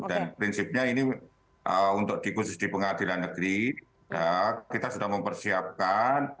dan prinsipnya ini untuk dikhusus di pengadilan negeri kita sudah mempersiapkan